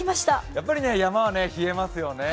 やっぱり山は冷えますよね。